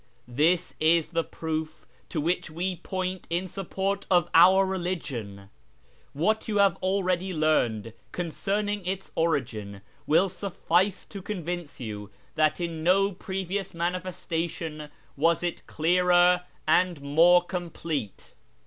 This is the proof to which we point in support of our religion. What you have already learned concerning its origin will suffice to convince you that in no previous ' manifestation ' was it clearer and more complete."